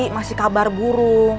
masih kabar burung